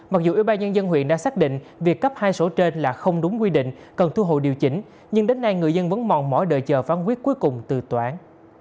mặc dù ủy ban nhân dân huyện đã xác định việc cấp hai số trên là không đúng quy định cần thu hộ điều chỉnh nhưng đến nay người dân vẫn mòn mỏi đợi chờ phán quyết cuối cùng từ toán